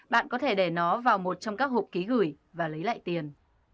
bạn có thể để nó vào một trong các hộp ký gửi và lấy lại tiền